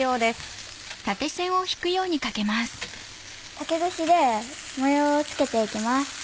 竹串で模様をつけていきます。